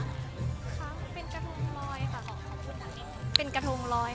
ค่ะเป็นกระทงรอยค่ะของของคุณอันนี้